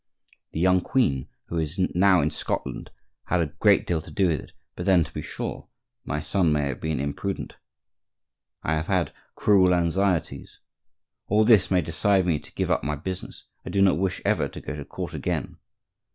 —"The young queen, who is now in Scotland, had a great deal to do with it; but then, to be sure, my son may have been imprudent."—"I have had cruel anxieties."—"All this may decide me to give up my business; I do not wish ever to go to court again."